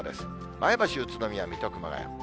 前橋、宇都宮、水戸、熊谷。